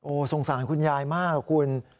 สงสารคุณยายมากคุณ